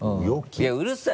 いやうるさい！